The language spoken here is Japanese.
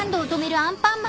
アンパンマン！